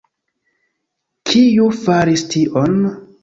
Kiu faris tion?